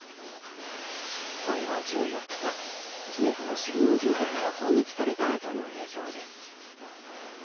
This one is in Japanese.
これは１４日キエフの集合住宅が砲撃されたあとの映像です。